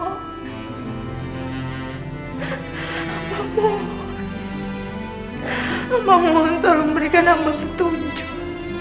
amba mohon amba mohon tolong berikan amba ketujuh